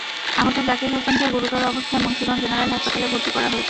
আহত জাকির হোসেনকে গুরুতর অবস্থায় মুন্সিগঞ্জ জেনারেল হাসপাতালে ভর্তি করা হয়েছে।